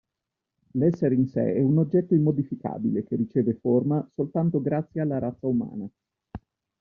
L'essere in se è un oggetto immodificabile che riceve forma soltanto grazie alla razza umana.